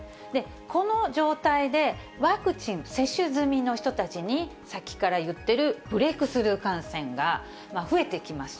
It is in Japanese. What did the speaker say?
この状態で、ワクチン接種済みの人たちに、さっきから言っているブレークスルー感染が増えてきます。